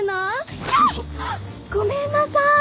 ごめんなさい